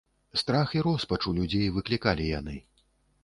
Страх і роспач у людзей выклікалі яны.